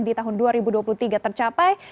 di tahun dua ribu dua puluh tiga tercapai